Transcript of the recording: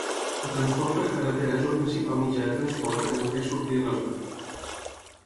El transport per carretera és el principal mitjà de transport per entrar i sortir de la zona.